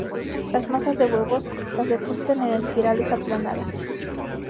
Las masas de huevos las depositan en espirales aplanadas.